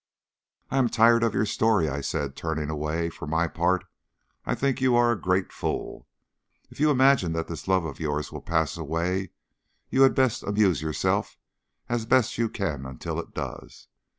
"I am tired of your story," I said, turning away. "For my part, I think you are a great fool. If you imagine that this love of yours will pass away you had best amuse yourself as best you can until it does.